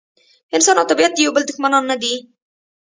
انسان او طبیعت د یو بل دښمنان نه دي.